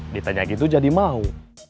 ditanya gitu jadi mau